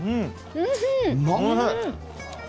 おいしい！